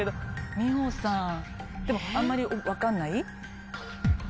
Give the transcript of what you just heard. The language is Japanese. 美穂さんでもあんまり分かんない？